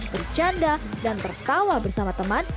bercanda dan tertawa bersama teman